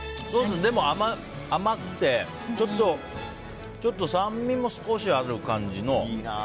甘くてちょっと酸味も少しある感じの。